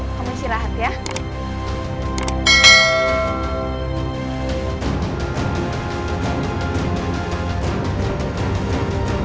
kamu silahkan ya